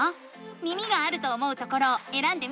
耳があると思うところをえらんでみて。